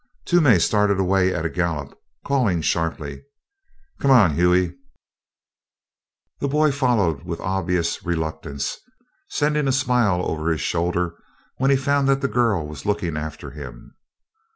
Toomey started away at a gallop, calling sharply: "Come on, Hughie!" The boy followed with obvious reluctance, sending a smile over his shoulder when he found that the girl was looking after him.